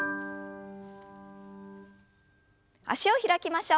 脚を開きましょう。